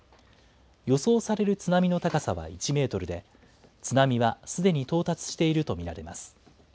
予想される津波の高さは１メートルで、津波はすでに到達していると見られます。